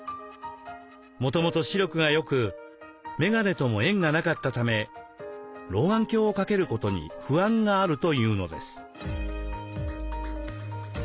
もともと視力が良く眼鏡とも縁がなかったため老眼鏡を掛けることに不安があるというのです。